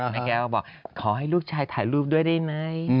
แม่แก้วก็บอกขอให้ลูกชายถ่ายรูปด้วยได้ไหม